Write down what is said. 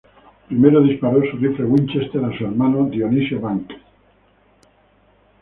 Primero, disparó su rifle Winchester a su hermano Dionisio Banks.